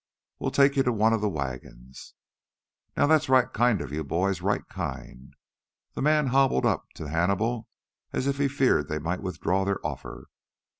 We'll take you to one of the wagons " "Now that's right kind of you boys, right kind." The man hobbled up to Hannibal as if he feared they might withdraw their offer.